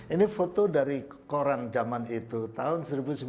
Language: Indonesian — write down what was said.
ini foto dari koran zaman itu tahun seribu sembilan ratus sembilan puluh